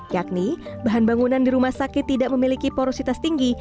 yakni bahan bangunan di rumah sakit tidak memiliki porositas tinggi